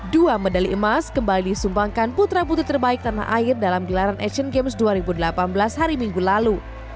dua medali emas kembali disumbangkan putra putri terbaik tanah air dalam gelaran asian games dua ribu delapan belas hari minggu lalu